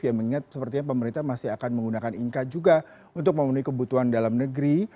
yang mengingat sepertinya pemerintah masih akan menggunakan inka juga untuk memenuhi kebutuhan dalam negeri